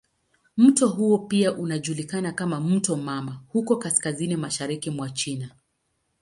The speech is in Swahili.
Mto huo pia unajulikana kama "mto mama" huko kaskazini mashariki mwa China.